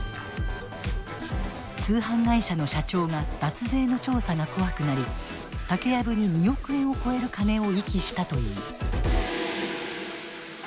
通販会社の社長が脱税の調査が怖くなり竹やぶに２億円を超える金を遺棄したという。